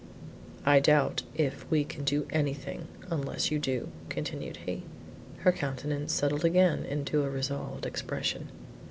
"I doubt if we can do anything unless you do," continued he. Her countenance settled again into a resolved expression.